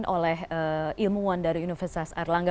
oleh ilmuwan dari universitas erlangga